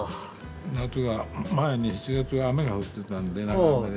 夏は前に７月は雨が降ってたので長雨で。